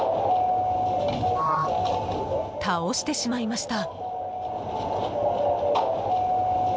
倒してしまいました。